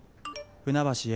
「船橋へ。